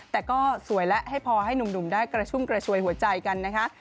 แต่ก็สวยและให้พอให้หนุ่มได้กระชุ่มกระชวยหัวใจกันนะคะ